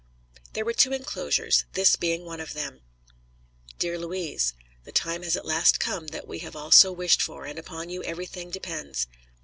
There were two inclosures, this being one of them: DEAR LOUIS: The time has at last come that we have all so wished for, and upon you everything depends.